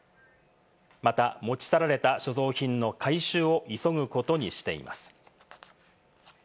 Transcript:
また、持ち去られた所蔵品の回収を急ぐことにしています。